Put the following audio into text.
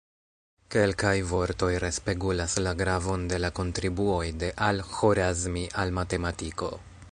Kelkaj vortoj respegulas la gravon de la kontribuoj de Al-Ĥorazmi al matematiko.